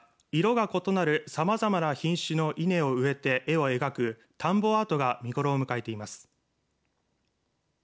鏡石町では色が異なるさまざまな品種の稲を植えて絵を描く田んぼアートが見頃を迎えています。